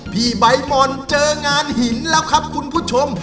พี่ใบปอนเจองานหินแล้วครับคุณผู้ชม